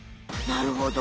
なるほど！